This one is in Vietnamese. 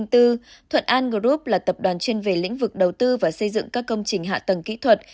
thuận an group là tập đoàn chuyên về lĩnh vực đầu tư và xây dựng các công trình hạ tầng kỹ thuật